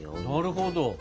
なるほど。